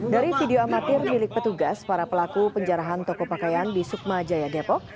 dari video amatir milik petugas para pelaku penjarahan toko pakaian di sukma jaya depok